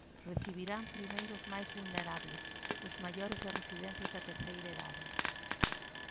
Recibiran primeiro os máis vulnerables: os maiores das residencias da terceira idade.